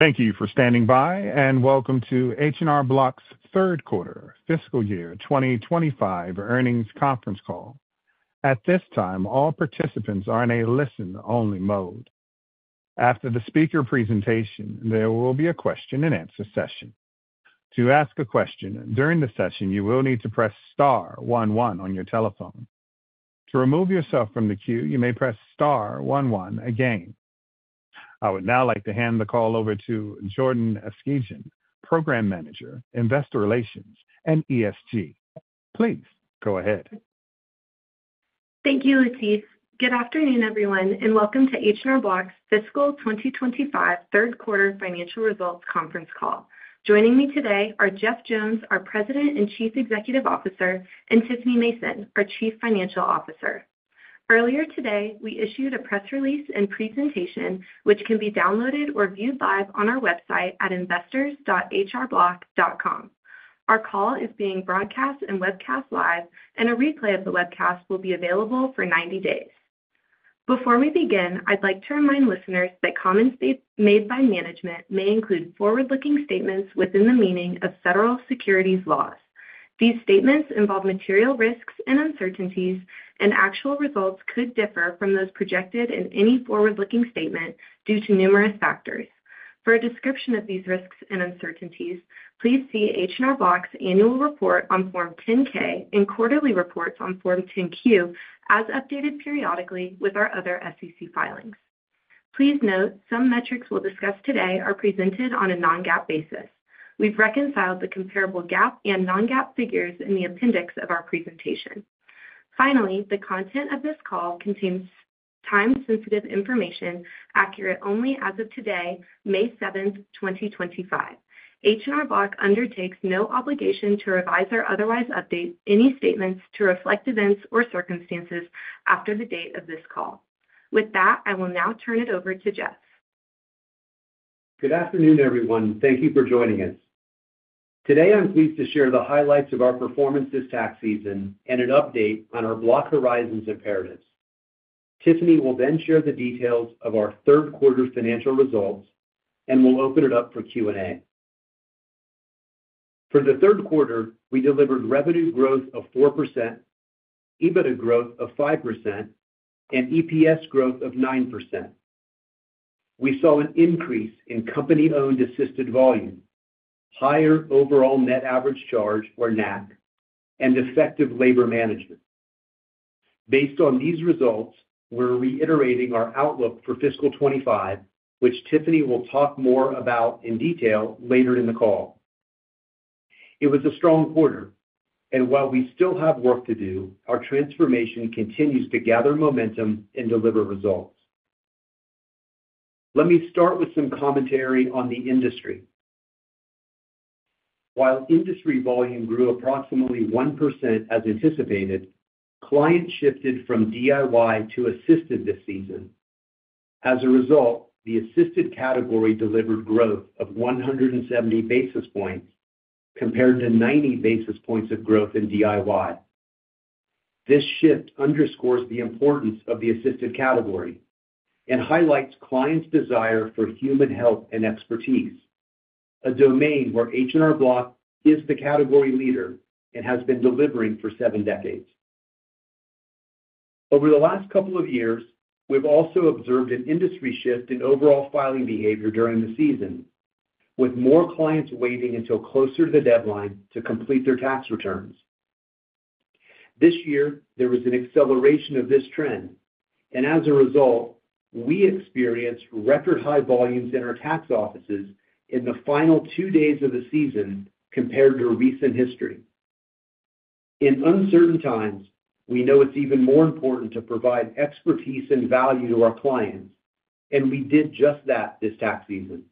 Thank you for standing by, and welcome to H&R Block's Third Quarter, Fiscal Year 2025 Earnings Conference Call. At this time, all participants are in a listen-only mode. After the speaker presentation, there will be a question-and-answer session. To ask a question during the session, you will need to press Star 11 on your telephone. To remove yourself from the queue, you may press Star 11 again. I would now like to hand the call over to Jordyn Eskijian, Program Manager, Investor Relations and ESG. Please go ahead. Thank you, Latif. Good afternoon, everyone, and welcome to H&R Block's Fiscal 2025 Third Quarter Financial Results Conference Call. Joining me today are Jeff Jones, our President and Chief Executive Officer, and Tiffany Mason, our Chief Financial Officer. Earlier today, we issued a press release and presentation, which can be downloaded or viewed live on our website at investors.hrblock.com. Our call is being broadcast and webcast live, and a replay of the webcast will be available for 90 days. Before we begin, I'd like to remind listeners that comments made by management may include forward-looking statements within the meaning of federal securities laws. These statements involve material risks and uncertainties, and actual results could differ from those projected in any forward-looking statement due to numerous factors. For a description of these risks and uncertainties, please see H&R Block's annual report on Form 10-K and quarterly reports on Form 10-Q as updated periodically with our other SEC filings. Please note some metrics we'll discuss today are presented on a non-GAAP basis. We've reconciled the comparable GAAP and non-GAAP figures in the appendix of our presentation. Finally, the content of this call contains time-sensitive information accurate only as of today, May 7th, 2025. H&R Block undertakes no obligation to revise or otherwise update any statements to reflect events or circumstances after the date of this call. With that, I will now turn it over to Jeff. Good afternoon, everyone. Thank you for joining us. Today, I'm pleased to share the highlights of our performance this tax season and an update on our Block Horizons imperatives. Tiffany will then share the details of our third quarter financial results, and we'll open it up for Q&A. For the third quarter, we delivered revenue growth of 4%, EBITDA growth of 5%, and EPS growth of 9%. We saw an increase in company-owned assisted volume, higher overall net average charge, or NAC, and effective labor management. Based on these results, we're reiterating our outlook for fiscal 2025, which Tiffany will talk more about in detail later in the call. It was a strong quarter, and while we still have work to do, our transformation continues to gather momentum and deliver results. Let me start with some commentary on the industry. While industry volume grew approximately 1% as anticipated, clients shifted from DIY to assisted this season. As a result, the assisted category delivered growth of 170 basis points compared to 90 basis points of growth in DIY. This shift underscores the importance of the assisted category and highlights clients' desire for human help and expertise, a domain where H&R Block is the category leader and has been delivering for seven decades. Over the last couple of years, we've also observed an industry shift in overall filing behavior during the season, with more clients waiting until closer to the deadline to complete their tax returns. This year, there was an acceleration of this trend, and as a result, we experienced record-high volumes in our tax offices in the final two days of the season compared to recent history. In uncertain times, we know it's even more important to provide expertise and value to our clients, and we did just that this tax season.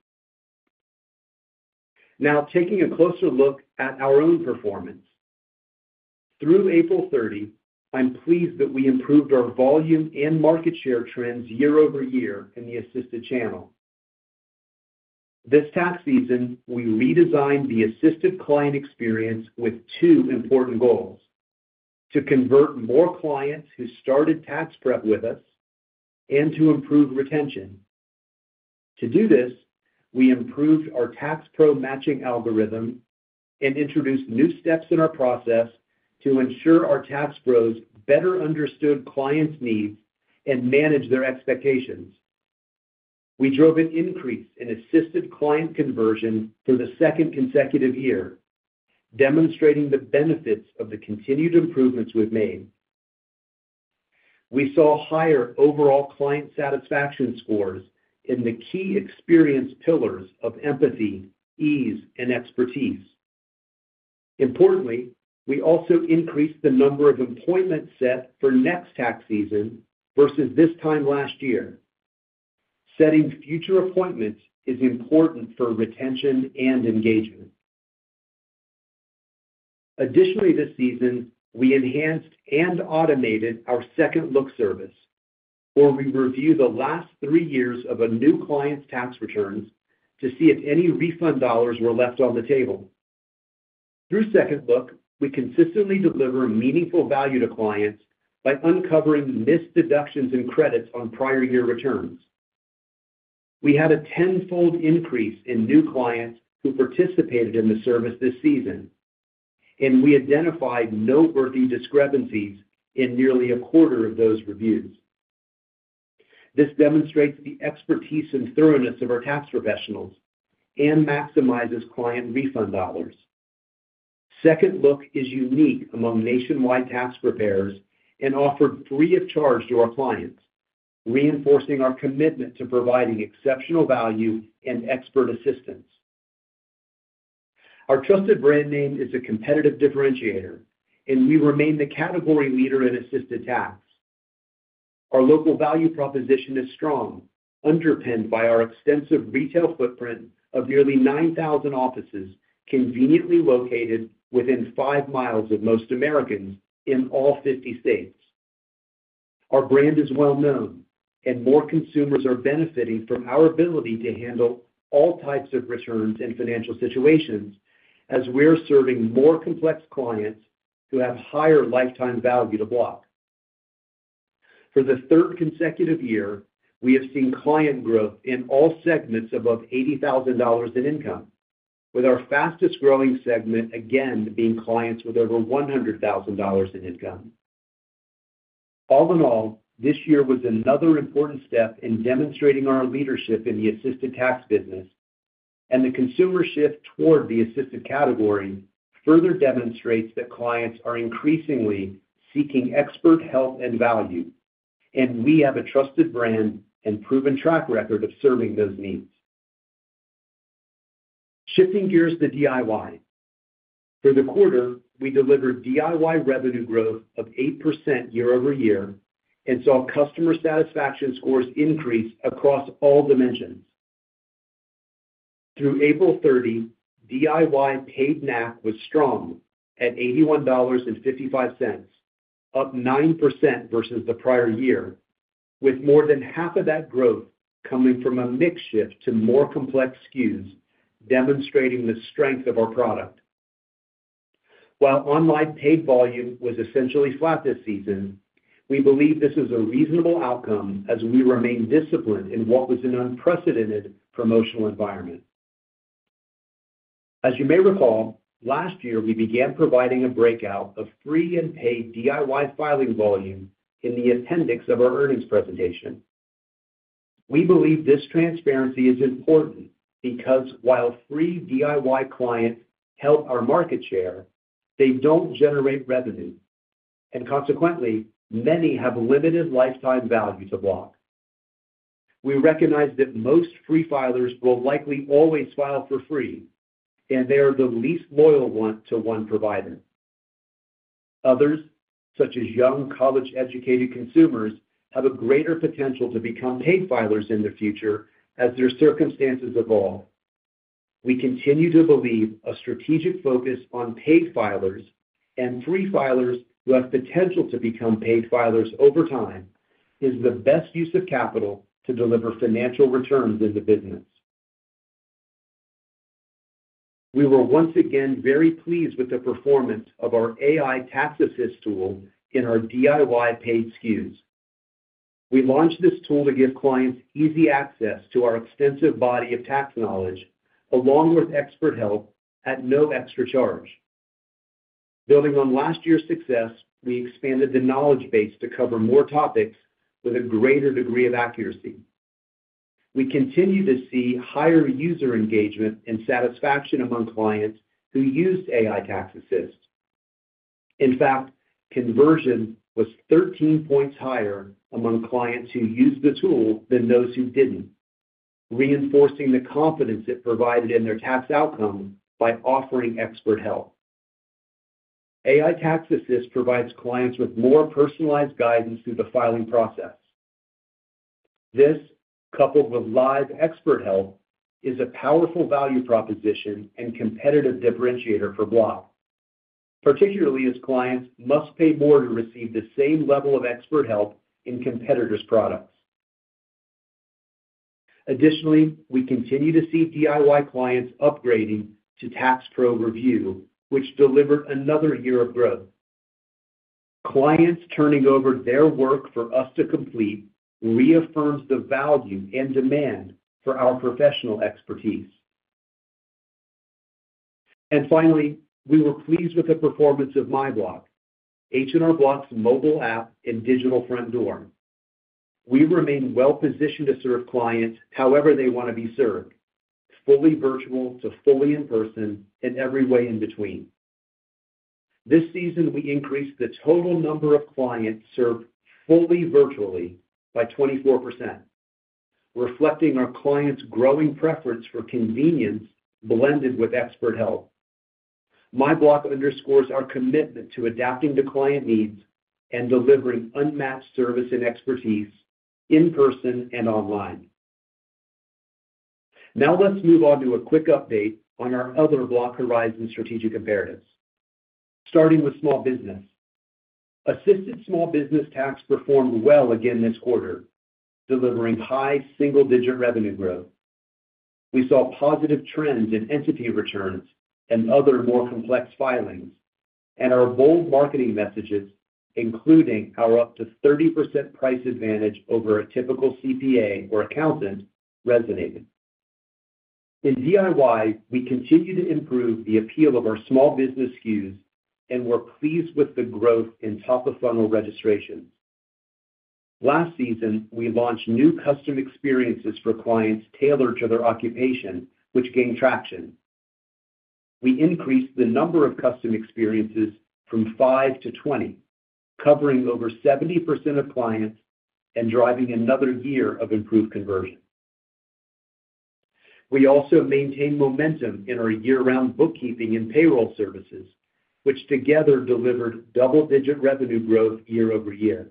Now, taking a closer look at our own performance, through April 30, I'm pleased that we improved our volume and market share trends year-over-year in the assisted channel. This tax season, we redesigned the assisted client experience with two important goals: to convert more clients who started tax prep with us and to improve retention. To do this, we improved our tax pro matching algorithm and introduced new steps in our process to ensure our tax pros better understood clients' needs and manage their expectations. We drove an increase in assisted client conversion for the second consecutive year, demonstrating the benefits of the continued improvements we've made. We saw higher overall client satisfaction scores in the key experience pillars of empathy, ease, and expertise. Importantly, we also increased the number of appointments set for next tax season versus this time last year. Setting future appointments is important for retention and engagement. Additionally, this season, we enhanced and automated our Second Look service, where we review the last three years of a new client's tax returns to see if any refund dollars were left on the table. Through Second Look, we consistently deliver meaningful value to clients by uncovering missed deductions and credits on prior year returns. We had a tenfold increase in new clients who participated in the service this season, and we identified noteworthy discrepancies in nearly a quarter of those reviews. This demonstrates the expertise and thoroughness of our tax professionals and maximizes client refund dollars. Second Look is unique among nationwide tax preparers and offered free of charge to our clients, reinforcing our commitment to providing exceptional value and expert assistance. Our trusted brand name is a competitive differentiator, and we remain the category leader in assisted tax. Our local value proposition is strong, underpinned by our extensive retail footprint of nearly 9,000 offices conveniently located within five miles of most Americans in all 50 states. Our brand is well-known, and more consumers are benefiting from our ability to handle all types of returns and financial situations as we're serving more complex clients who have higher lifetime value to Block. For the third consecutive year, we have seen client growth in all segments above $80,000 in income, with our fastest-growing segment again being clients with over $100,000 in income. All in all, this year was another important step in demonstrating our leadership in the assisted tax business, and the consumer shift toward the assisted category further demonstrates that clients are increasingly seeking expert help and value, and we have a trusted brand and proven track record of serving those needs. Shifting gears to DIY. For the quarter, we delivered DIY revenue growth of 8% year-over-year and saw customer satisfaction scores increase across all dimensions. Through April 30, DIY paid NAC was strong at $81.55, up 9% versus the prior year, with more than half of that growth coming from a mix shift to more complex SKUs, demonstrating the strength of our product. While online paid volume was essentially flat this season, we believe this is a reasonable outcome as we remain disciplined in what was an unprecedented promotional environment. As you may recall, last year, we began providing a breakout of free and paid DIY filing volume in the appendix of our earnings presentation. We believe this transparency is important because while free DIY clients help our market share, they don't generate revenue, and consequently, many have limited lifetime value to Block. We recognize that most free filers will likely always file for free, and they are the least loyal one-to-one provider. Others, such as young college-educated consumers, have a greater potential to become paid filers in the future as their circumstances evolve. We continue to believe a strategic focus on paid filers and free filers who have potential to become paid filers over time is the best use of capital to deliver financial returns in the business. We were once again very pleased with the performance of our AI Tax Assist tool in our DIY paid SKUs. We launched this tool to give clients easy access to our extensive body of tax knowledge, along with expert help at no extra charge. Building on last year's success, we expanded the knowledge base to cover more topics with a greater degree of accuracy. We continue to see higher user engagement and satisfaction among clients who used AI Tax Assist. In fact, conversion was 13 points higher among clients who used the tool than those who did not, reinforcing the confidence it provided in their tax outcome by offering expert help. AI Tax Assist provides clients with more personalized guidance through the filing process. This, coupled with live expert help, is a powerful value proposition and competitive differentiator for Block, particularly as clients must pay more to receive the same level of expert help in competitors' products. Additionally, we continue to see DIY clients upgrading to Tax Pro Review, which delivered another year of growth. Clients turning over their work for us to complete reaffirms the value and demand for our professional expertise. Finally, we were pleased with the performance of MyBlock, H&R Block's mobile app and digital front door. We remain well-positioned to serve clients however they want to be served, fully virtual to fully in person and every way in between. This season, we increased the total number of clients served fully virtually by 24%, reflecting our clients' growing preference for convenience blended with expert help. MyBlock underscores our commitment to adapting to client needs and delivering unmatched service and expertise in person and online. Now, let's move on to a quick update on our other Block Horizons strategic imperatives, starting with small business. Assisted small business tax performed well again this quarter, delivering high single-digit revenue growth. We saw positive trends in entity returns and other more complex filings, and our bold marketing messages, including our up to 30% price advantage over a typical CPA or accountant, resonated. In DIY, we continue to improve the appeal of our small business SKUs, and we're pleased with the growth in top-of-funnel registrations. Last season, we launched new custom experiences for clients tailored to their occupation, which gained traction. We increased the number of custom experiences from 5 to 20, covering over 70% of clients and driving another year of improved conversion. We also maintained momentum in our year-round bookkeeping and payroll services, which together delivered double-digit revenue growth year-over-year.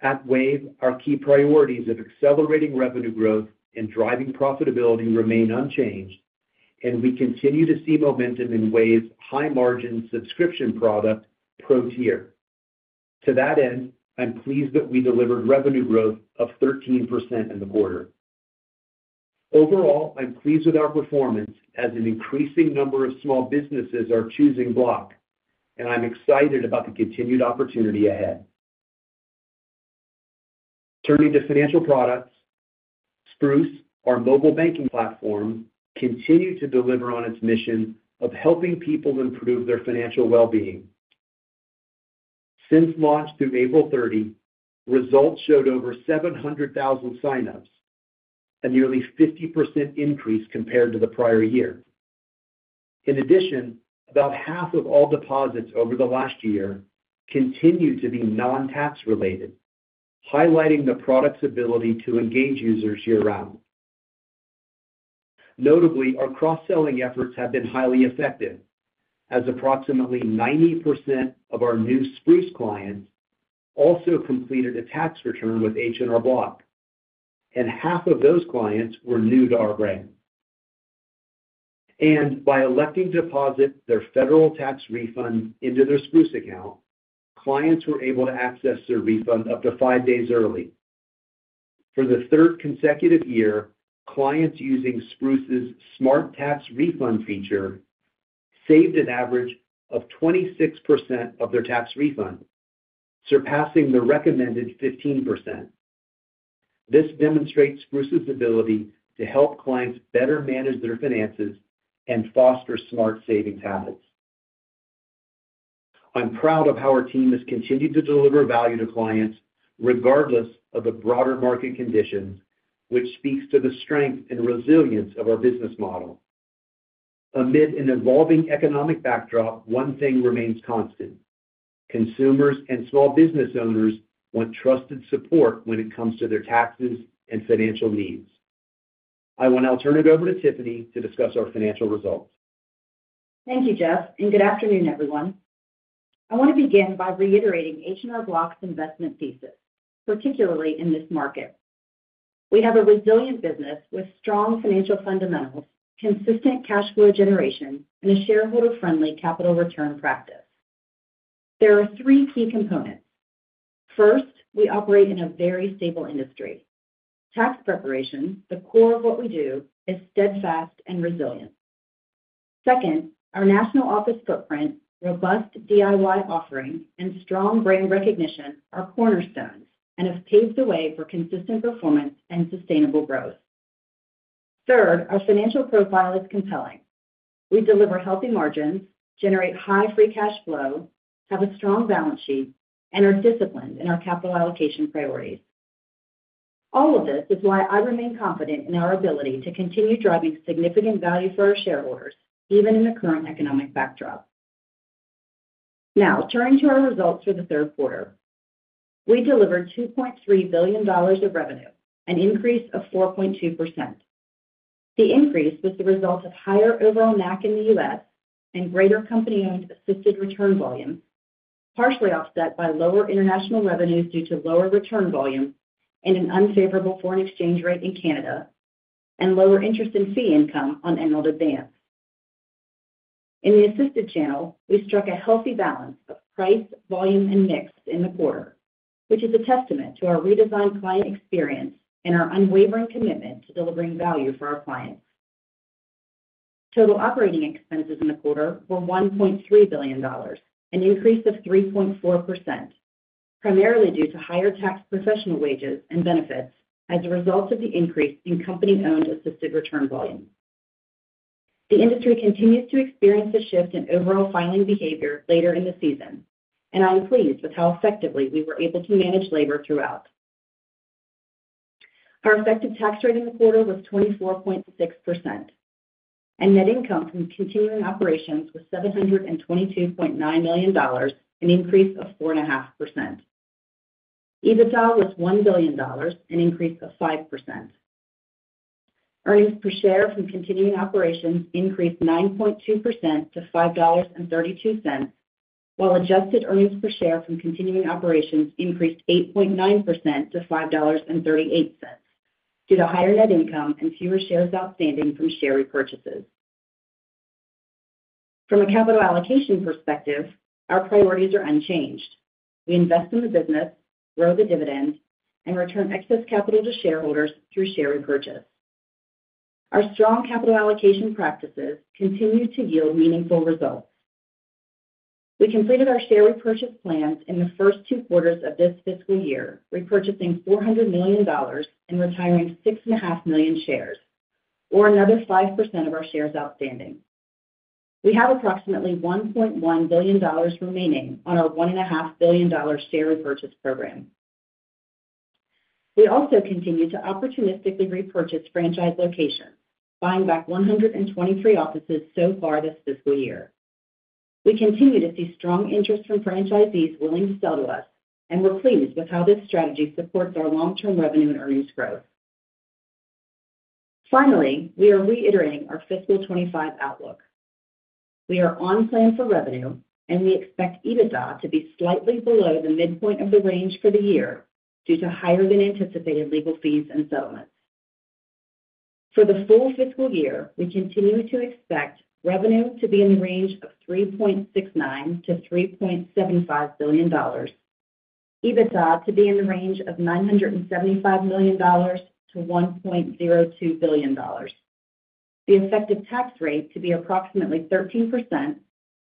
At Wave, our key priorities of accelerating revenue growth and driving profitability remain unchanged, and we continue to see momentum in Wave's high-margin subscription product, Pro tier. To that end, I'm pleased that we delivered revenue growth of 13% in the quarter. Overall, I'm pleased with our performance as an increasing number of small businesses are choosing Block, and I'm excited about the continued opportunity ahead. Turning to financial products, Spruce, our mobile banking platform, continued to deliver on its mission of helping people improve their financial well-being. Since launch through April 30, results showed over 700,000 sign-ups, a nearly 50% increase compared to the prior year. In addition, about half of all deposits over the last year continued to be non-tax related, highlighting the product's ability to engage users year-round. Notably, our cross-selling efforts have been highly effective, as approximately 90% of our new Spruce clients also completed a tax return with H&R Block, and half of those clients were new to our brand. By electing to deposit their federal tax refund into their Spruce account, clients were able to access their refund up to five days early. For the third consecutive year, clients using Spruce's Smart Tax Refund feature saved an average of 26% of their tax refund, surpassing the recommended 15%. This demonstrates Spruce's ability to help clients better manage their finances and foster smart savings habits. I'm proud of how our team has continued to deliver value to clients regardless of the broader market conditions, which speaks to the strength and resilience of our business model. Amid an evolving economic backdrop, one thing remains constant: consumers and small business owners want trusted support when it comes to their taxes and financial needs. I want to turn it over to Tiffany to discuss our financial results. Thank you, Jeff, and good afternoon, everyone. I want to begin by reiterating H&R Block's investment thesis, particularly in this market. We have a resilient business with strong financial fundamentals, consistent cash flow generation, and a shareholder-friendly capital return practice. There are three key components. First, we operate in a very stable industry. Tax preparation, the core of what we do, is steadfast and resilient. Second, our national office footprint, robust DIY offering, and strong brand recognition are cornerstones and have paved the way for consistent performance and sustainable growth. Third, our financial profile is compelling. We deliver healthy margins, generate high free cash flow, have a strong balance sheet, and are disciplined in our capital allocation priorities. All of this is why I remain confident in our ability to continue driving significant value for our shareholders, even in the current economic backdrop. Now, turning to our results for the third quarter, we delivered $2.3 billion of revenue, an increase of 4.2%. The increase was the result of higher overall NAC in the U.S. and greater company-owned assisted return volumes, partially offset by lower international revenues due to lower return volumes and an unfavorable foreign exchange rate in Canada, and lower interest and fee income on enrolled advance. In the assisted channel, we struck a healthy balance of price, volume, and mix in the quarter, which is a testament to our redesigned client experience and our unwavering commitment to delivering value for our clients. Total operating expenses in the quarter were $1.3 billion, an increase of 3.4%, primarily due to higher tax professional wages and benefits as a result of the increase in company-owned assisted return volumes. The industry continues to experience a shift in overall filing behavior later in the season, and I'm pleased with how effectively we were able to manage labor throughout. Our effective tax rate in the quarter was 24.6%, and net income from continuing operations was $722.9 million, an increase of 4.5%. EBITDA was $1 billion, an increase of 5%. Earnings per share from continuing operations increased 9.2% to $5.32, while adjusted earnings per share from continuing operations increased 8.9% to $5.38 due to higher net income and fewer shares outstanding from share repurchases. From a capital allocation perspective, our priorities are unchanged. We invest in the business, grow the dividend, and return excess capital to shareholders through share repurchase. Our strong capital allocation practices continue to yield meaningful results. We completed our share repurchase plans in the first two quarters of this fiscal year, repurchasing $400 million and retiring 6.5 million shares, or another 5% of our shares outstanding. We have approximately $1.1 billion remaining on our $1.5 billion share repurchase program. We also continue to opportunistically repurchase franchise locations, buying back 123 offices so far this fiscal year. We continue to see strong interest from franchisees willing to sell to us, and we're pleased with how this strategy supports our long-term revenue and earnings growth. Finally, we are reiterating our fiscal 2025 outlook. We are on plan for revenue, and we expect EBITDA to be slightly below the midpoint of the range for the year due to higher-than-anticipated legal fees and settlements. For the full fiscal year, we continue to expect revenue to be in the range of $3.69 billion-$3.75 billion, EBITDA to be in the range of $975 million-$1.02 billion, the effective tax rate to be approximately 13%,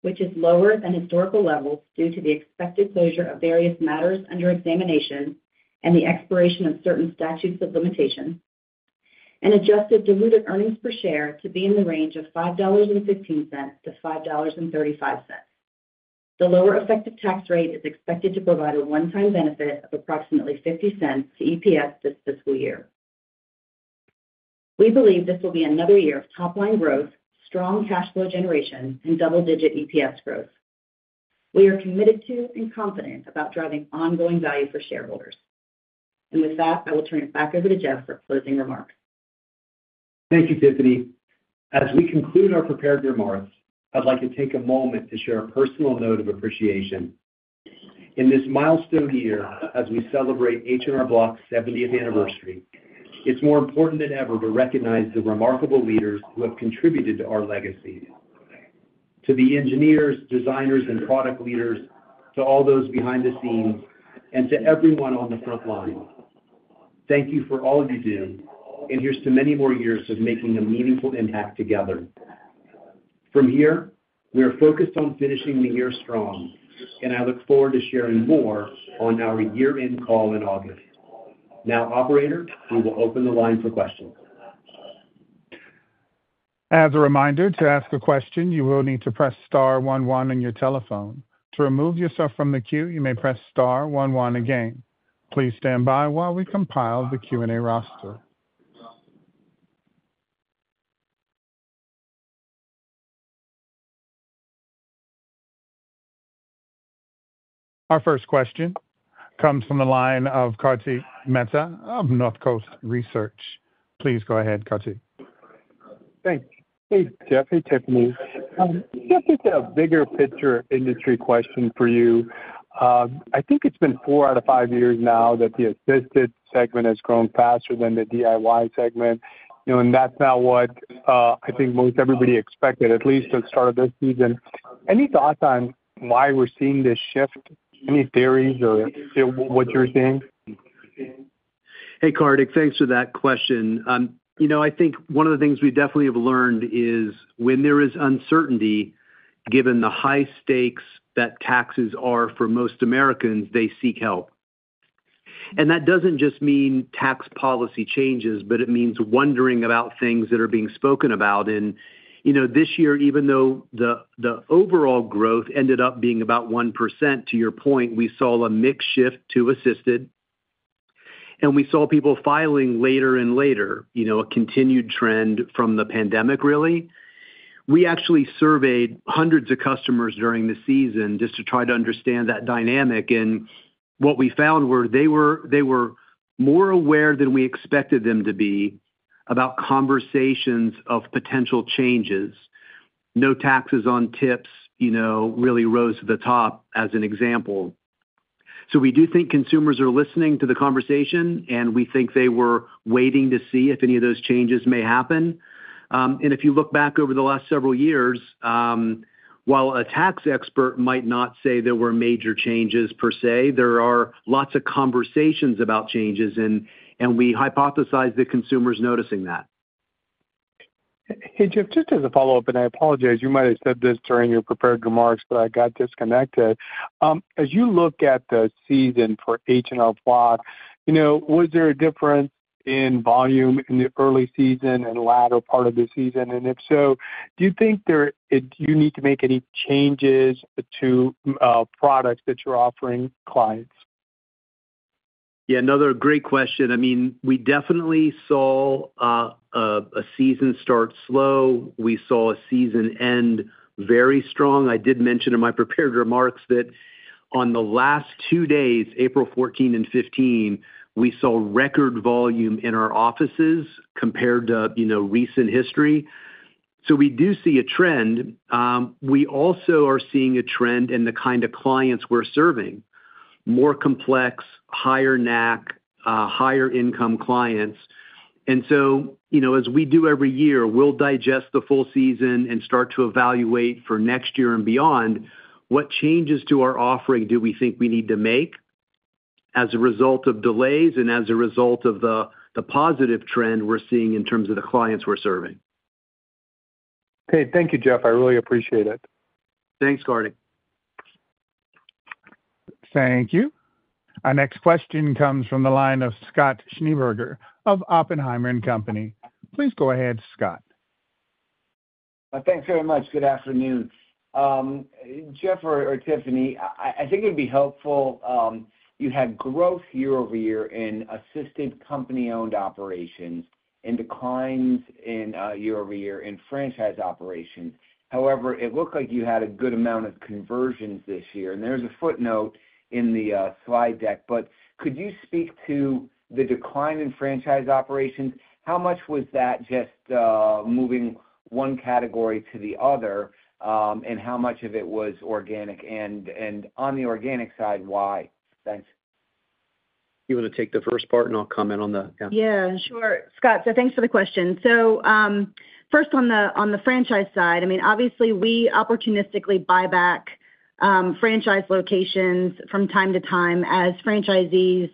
which is lower than historical levels due to the expected closure of various matters under examination and the expiration of certain statutes of limitation, and adjusted diluted earnings per share to be in the range of $5.15-$5.35. The lower effective tax rate is expected to provide a one-time benefit of approximately $0.50 to EPS this fiscal year. We believe this will be another year of top-line growth, strong cash flow generation, and double-digit EPS growth. We are committed to and confident about driving ongoing value for shareholders. With that, I will turn it back over to Jeff for closing remarks. Thank you, Tiffany. As we conclude our prepared remarks, I'd like to take a moment to share a personal note of appreciation. In this milestone year, as we celebrate H&R Block's 70th anniversary, it's more important than ever to recognize the remarkable leaders who have contributed to our legacy: to the engineers, designers, and product leaders, to all those behind the scenes, and to everyone on the front line. Thank you for all you do, and here's to many more years of making a meaningful impact together. From here, we are focused on finishing the year strong, and I look forward to sharing more on our year-end call in August. Now, Operator, we will open the line for questions. As a reminder, to ask a question, you will need to press star 11 on your telephone. To remove yourself from the queue, you may press star 11 again. Please stand by while we compile the Q&A roster. Our first question comes from the line of Kartik Mehta of Northcoast Research. Please go ahead, Kartik. Thanks. Hey, Jeff. Hey, Tiffany. Just a bigger picture industry question for you. I think it has been four out of five years now that the assisted segment has grown faster than the DIY segment, and that is not what I think most everybody expected, at least at the start of this season. Any thoughts on why we are seeing this shift? Any theories or what you are seeing? Hey, Kartik, thanks for that question. I think one of the things we definitely have learned is when there is uncertainty, given the high stakes that taxes are for most Americans, they seek help. That does not just mean tax policy changes, but it means wondering about things that are being spoken about. This year, even though the overall growth ended up being about 1%, to your point, we saw a mixed shift to assisted, and we saw people filing later and later, a continued trend from the pandemic, really. We actually surveyed hundreds of customers during the season just to try to understand that dynamic, and what we found was they were more aware than we expected them to be about conversations of potential changes. No taxes on tips really rose to the top, as an example. We do think consumers are listening to the conversation, and we think they were waiting to see if any of those changes may happen. If you look back over the last several years, while a tax expert might not say there were major changes per se, there are lots of conversations about changes, and we hypothesize that consumers are noticing that. Hey, Jeff, just as a follow-up, and I apologize, you might have said this during your prepared remarks, but I got disconnected. As you look at the season for H&R Block, was there a difference in volume in the early season and latter part of the season? If so, do you think you need to make any changes to products that you're offering clients? Yeah, another great question. I mean, we definitely saw a season start slow. We saw a season end very strong. I did mention in my prepared remarks that on the last two days, April 14 and 15, we saw record volume in our offices compared to recent history. We do see a trend. We also are seeing a trend in the kind of clients we're serving: more complex, higher NAC, higher income clients. As we do every year, we'll digest the full season and start to evaluate for next year and beyond what changes to our offering do we think we need to make as a result of delays and as a result of the positive trend we're seeing in terms of the clients we're serving. Okay, thank you, Jeff. I really appreciate it. Thanks, Kartik. Thank you. Our next question comes from the line of Scott Schneeberger of Oppenheimer & Company. Please go ahead, Scott. Thanks very much. Good afternoon. Jeff or Tiffany, I think it would be helpful you had growth year-over-year in assisted company-owned operations and declines year-over-year in franchise operations. However, it looked like you had a good amount of conversions this year. There is a footnote in the slide deck, but could you speak to the decline in franchise operations? How much was that just moving one category to the other, and how much of it was organic? On the organic side, why? Thanks. You want to take the first part, and I'll comment on the—yeah. Yeah, sure. Scott, thanks for the question. First, on the franchise side, I mean, obviously, we opportunistically buy back franchise locations from time to time as franchisees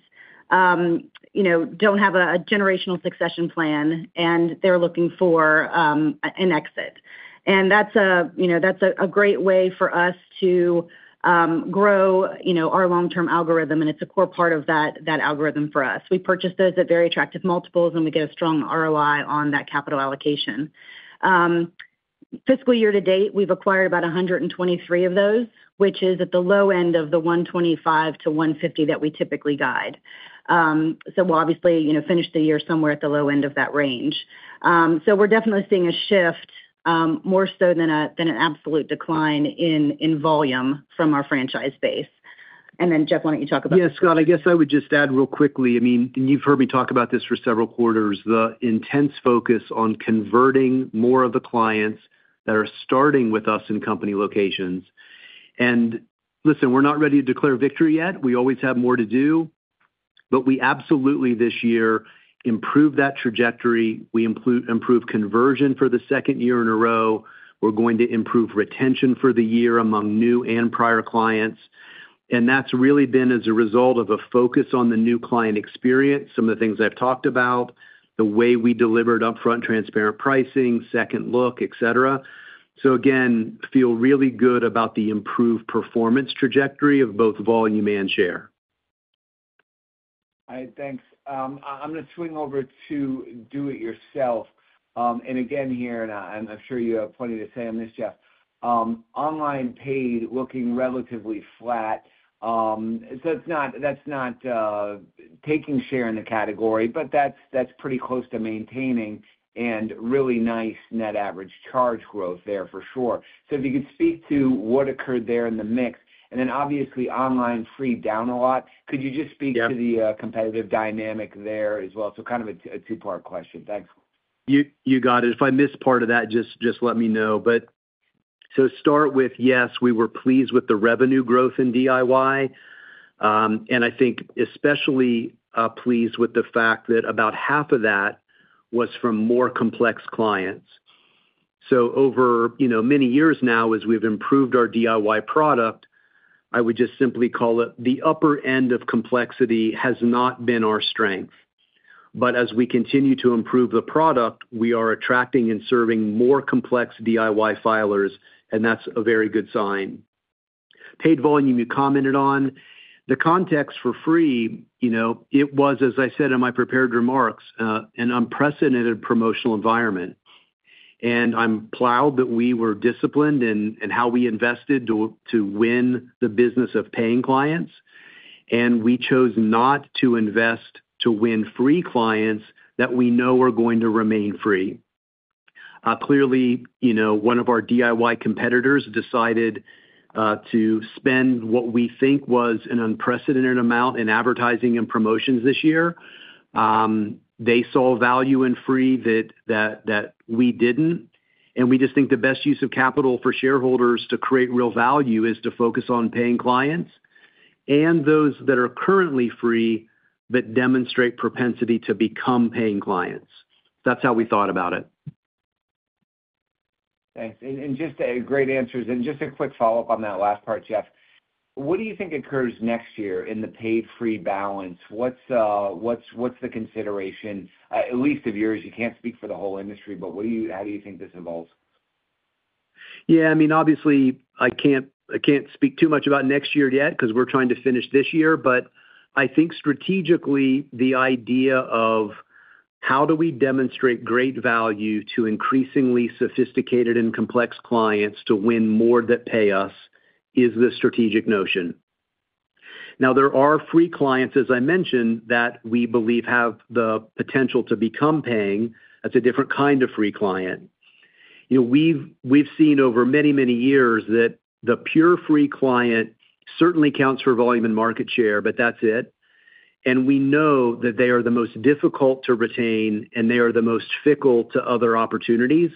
do not have a generational succession plan, and they are looking for an exit. That's a great way for us to grow our long-term algorithm, and it's a core part of that algorithm for us. We purchase those at very attractive multiples, and we get a strong ROI on that capital allocation. Fiscal year to date, we've acquired about 123 of those, which is at the low end of the 125-150 that we typically guide. We'll obviously finish the year somewhere at the low end of that range. We're definitely seeing a shift, more so than an absolute decline in volume from our franchise base. Jeff, why don't you talk about that? Yeah, Scott, I guess I would just add real quickly. I mean, and you've heard me talk about this for several quarters, the intense focus on converting more of the clients that are starting with us in company locations. Listen, we're not ready to declare victory yet. We always have more to do, but we absolutely this year improved that trajectory. We improved conversion for the second year in a row. We're going to improve retention for the year among new and prior clients. That's really been as a result of a focus on the new client experience, some of the things I've talked about, the way we delivered upfront transparent pricing, Second Look, etc. Again, feel really good about the improved performance trajectory of both volume and share. Thanks. I'm going to swing over to do-it-yourself. Again, here, and I'm sure you have plenty to say on this, Jeff, online paid looking relatively flat. That's not taking share in the category, but that's pretty close to maintaining and really nice net average charge growth there for sure. If you could speak to what occurred there in the mix, and then obviously online free down a lot, could you just speak to the competitive dynamic there as well? Kind of a two-part question. Thanks. You got it. If I missed part of that, just let me know. Start with, yes, we were pleased with the revenue growth in DIY, and I think especially pleased with the fact that about half of that was from more complex clients. Over many years now, as we've improved our DIY product, I would just simply call it the upper end of complexity has not been our strength. As we continue to improve the product, we are attracting and serving more complex DIY filers, and that's a very good sign. Paid volume, you commented on. The context for free, it was, as I said in my prepared remarks, an unprecedented promotional environment. I am proud that we were disciplined in how we invested to win the business of paying clients. We chose not to invest to win free clients that we know are going to remain free. Clearly, one of our DIY competitors decided to spend what we think was an unprecedented amount in advertising and promotions this year. They saw value in free that we did not. We just think the best use of capital for shareholders to create real value is to focus on paying clients and those that are currently free that demonstrate propensity to become paying clients. That is how we thought about it. Thanks. Just great answers. Just a quick follow-up on that last part, Jeff. What do you think occurs next year in the paid-free balance? What's the consideration, at least of yours? You can't speak for the whole industry, but how do you think this evolves? Yeah, I mean, obviously, I can't speak too much about next year yet because we're trying to finish this year. I think strategically, the idea of how do we demonstrate great value to increasingly sophisticated and complex clients to win more that pay us is the strategic notion. Now, there are free clients, as I mentioned, that we believe have the potential to become paying. That's a different kind of free client. We've seen over many, many years that the pure free client certainly counts for volume and market share, but that's it. We know that they are the most difficult to retain, and they are the most fickle to other opportunities.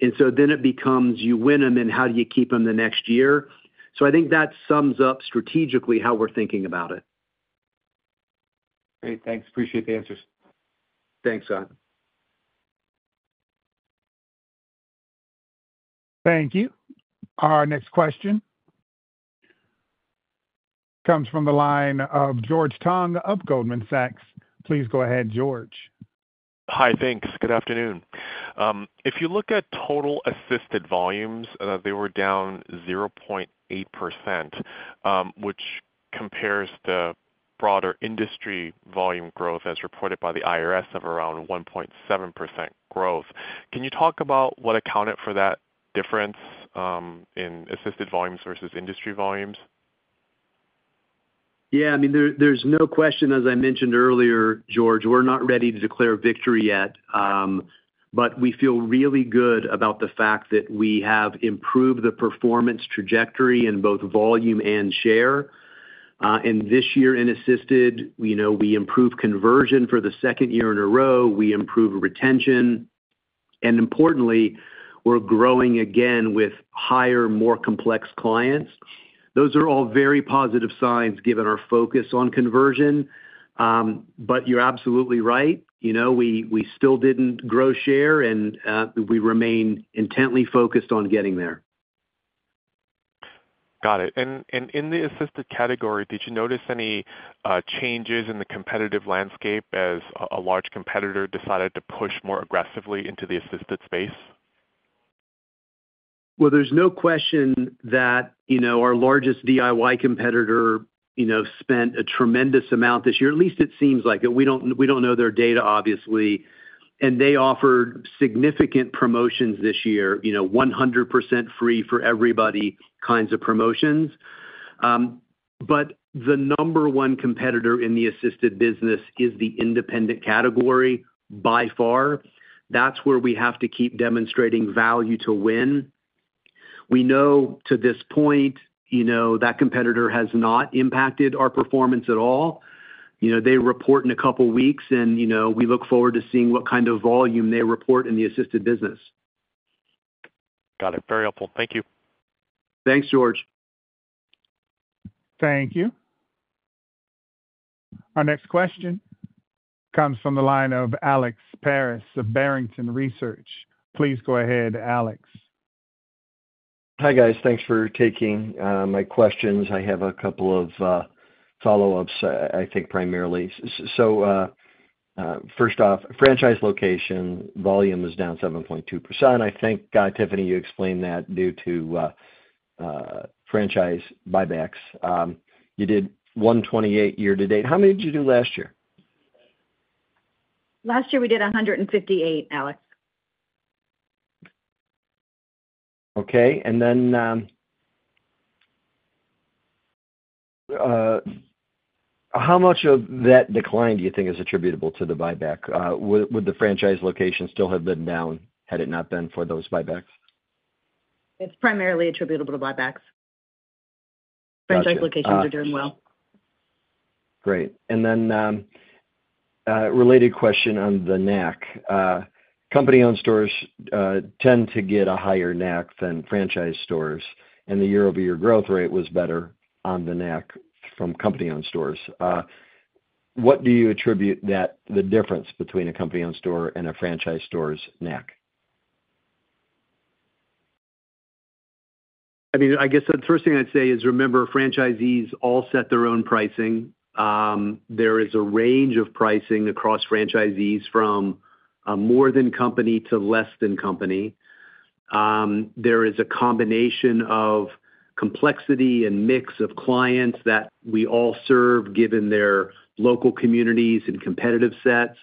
And so then it becomes you win them, and how do you keep them the next year? I think that sums up strategically how we're thinking about it. Great. Thanks. Appreciate the answers. Thanks, Scott. Thank you. Our next question comes from the line of George Tong of Goldman Sachs. Please go ahead, George. Hi, thanks. Good afternoon. If you look at total assisted volumes, they were down 0.8%, which compares to broader industry volume growth as reported by the IRS of around 1.7% growth. Can you talk about what accounted for that difference in assisted volumes versus industry volumes? Yeah, I mean, there's no question, as I mentioned earlier, George, we're not ready to declare victory yet. We feel really good about the fact that we have improved the performance trajectory in both volume and share. This year in assisted, we improved conversion for the second year in a row. We improved retention. Importantly, we're growing again with higher, more complex clients. Those are all very positive signs given our focus on conversion. You're absolutely right. We still didn't grow share, and we remain intently focused on getting there. Got it. In the assisted category, did you notice any changes in the competitive landscape as a large competitor decided to push more aggressively into the assisted space? There is no question that our largest DIY competitor spent a tremendous amount this year. At least it seems like it. We don't know their data, obviously. They offered significant promotions this year, 100% free for everybody kinds of promotions. The number one competitor in the assisted business is the independent category by far. That's where we have to keep demonstrating value to win. We know to this point that competitor has not impacted our performance at all. They report in a couple of weeks, and we look forward to seeing what kind of volume they report in the assisted business. Got it. Very helpful. Thank you. Thanks, George. Thank you. Our next question comes from the line of Alex Paris of Barrington Research. Please go ahead, Alex. Hi guys. Thanks for taking my questions. I have a couple of follow-ups, I think, primarily. So first off, franchise location volume is down 7.2%. I think, Tiffany, you explained that due to franchise buybacks. You did 128 year to date. How many did you do last year? Last year, we did 158, Alex. Okay. And then how much of that decline do you think is attributable to the buyback? Would the franchise location still have been down had it not been for those buybacks? It is primarily attributable to buybacks. Franchise locations are doing well. Great. Then related question on the NAC. Company-owned stores tend to get a higher NAC than franchise stores. The year-over-year growth rate was better on the NAC from company-owned stores. What do you attribute the difference between a company-owned store and a franchise store's NAC? I mean, I guess the first thing I'd say is remember, franchisees all set their own pricing. There is a range of pricing across franchisees from more than company to less than company. There is a combination of complexity and mix of clients that we all serve given their local communities and competitive sets.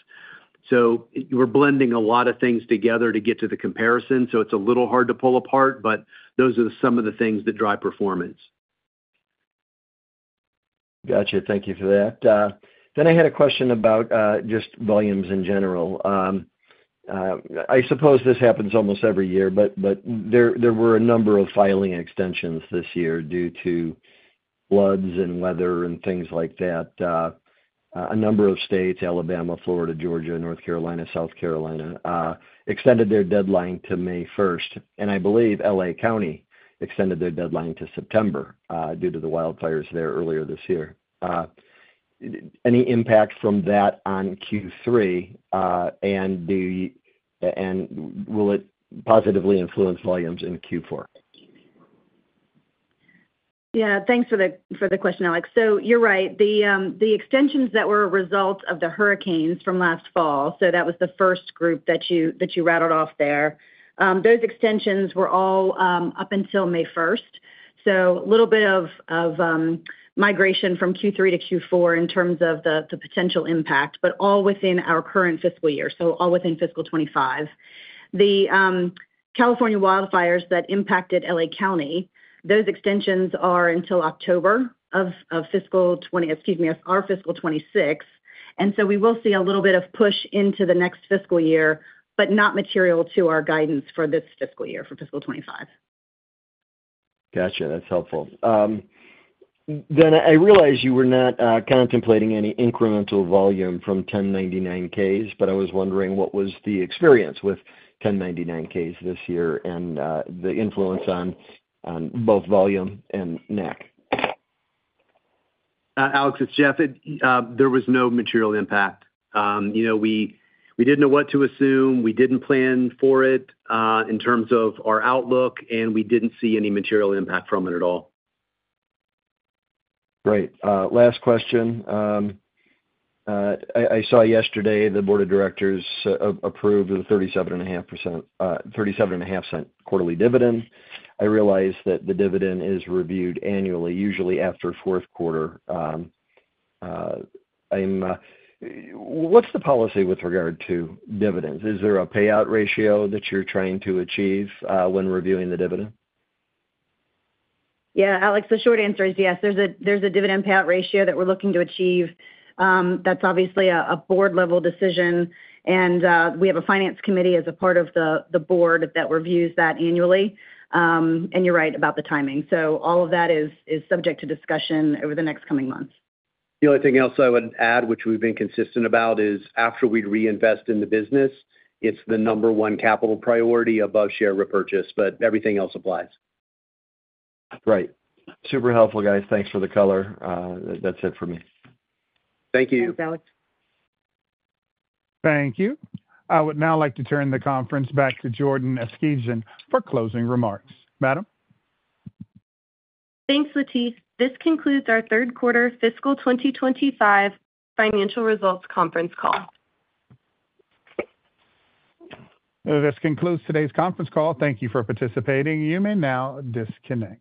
We are blending a lot of things together to get to the comparison. So it's a little hard to pull apart, but those are some of the things that drive performance. Gotcha. Thank you for that. I had a question about just volumes in general. I suppose this happens almost every year, but there were a number of filing extensions this year due to floods and weather and things like that. A number of states, Alabama, Florida, Georgia, North Carolina, South Carolina, extended their deadline to May 1. I believe LA County extended their deadline to September due to the wildfires there earlier this year. Any impact from that on Q3? Will it positively influence volumes in Q4? Yeah. Thanks for the question, Alex. You're right. The extensions that were a result of the hurricanes from last fall, so that was the first group that you rattled off there, those extensions were all up until May 1. A little bit of migration from Q3 to Q4 in terms of the potential impact, but all within our current fiscal year, so all within fiscal 2025. The California wildfires that impacted LA County, those extensions are until October of fiscal 2026. We will see a little bit of push into the next fiscal year, but not material to our guidance for this fiscal year, for fiscal 2025. Gotcha. That's helpful. I realize you were not contemplating any incremental volume from 1099-Ks, but I was wondering what was the experience with 1099-Ks this year and the influence on both volume and NAC. Alex, it's Jeff. There was no material impact. We didn't know what to assume. We didn't plan for it in terms of our outlook, and we didn't see any material impact from it at all. Great. Last question. I saw yesterday the board of directors approved the 37.5% quarterly dividend. I realize that the dividend is reviewed annually, usually after fourth quarter. What's the policy with regard to dividends? Is there a payout ratio that you're trying to achieve when reviewing the dividend? Yeah, Alex, the short answer is yes. There's a dividend payout ratio that we're looking to achieve. That's obviously a board-level decision. We have a finance committee as a part of the board that reviews that annually. You're right about the timing. All of that is subject to discussion over the next coming months. The only thing else I would add, which we've been consistent about, is after we reinvest in the business, it's the number one capital priority above share repurchase, but everything else applies. Right. Super helpful, guys. Thanks for the color. That's it for me. Thank you. Thanks, Alex. Thank you. I would now like to turn the conference back to Jordyn Eskijian for closing remarks. Madam? Thanks, Latif. This concludes our third quarter fiscal 2025 financial results conference call. This concludes today's conference call. Thank you for participating. You may now disconnect.